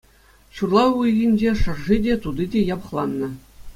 Ҫурла уйӑхӗнче шӑрши те, тути те япӑхланнӑ.